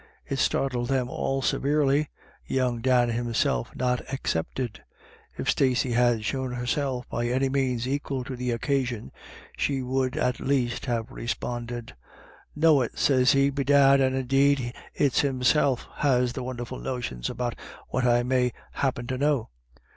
It startled them all severely, young Dan himself not excepted. If Stacey had shown herself by any means equal to the occasion, she would at least have responded :" Know it, sez he ! Bedad and indeed it's himself has the wonerful notions about what I may happin to know.